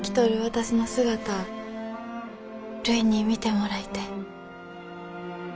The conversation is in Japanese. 私の姿あるいに見てもらいてえ。